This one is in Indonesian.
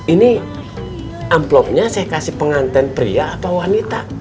ini amplopnya saya kasih pengantin pria atau wanita